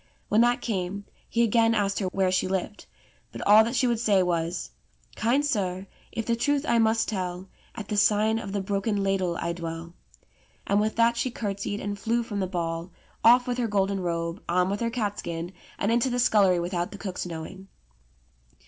When that came, he again asked her where she lived. But all that she would say was : "Kind sir, if the truth I must tell, At the sign of the 'Broken Ladle' I dwell"; and with that she curtsied and flew from the ball, off with her golden robe, on with her catskin, and into the scullery with out the cook's knowing.